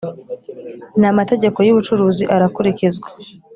N amategeko y ubucuruzi arakurikizwa